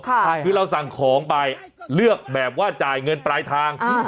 คือเราสั่งของไปเลือกแบบว่าจ่ายเงินปลายทาง